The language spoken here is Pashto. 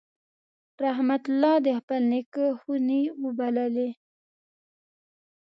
رحمت الله د خپل نیکه خونې وبللې.